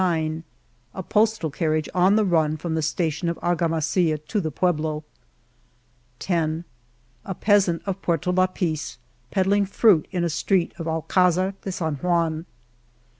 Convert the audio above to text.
7 A postal carriage on the run from the station of Arga masilla to the pueblo, ..... p A peasant of Puerto Lapice peddling fruit in a street of Alcdzar de San Juan